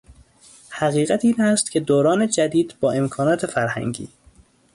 حقیقت این است که دوران جدید با امکانات فرهنگی